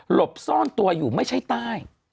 บซ่อนตัวอยู่ไม่ใช่ใต้